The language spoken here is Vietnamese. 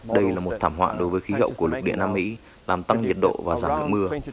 đây là một thảm họa đối với khí hậu của lục địa nam mỹ làm tăng nhiệt độ và giảm lượng mưa